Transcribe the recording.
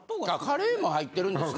カレーも入ってるんですね。